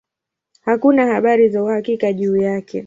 Hakuna habari za uhakika juu yake.